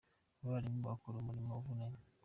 Abarimu bakora umurimo uvunanye.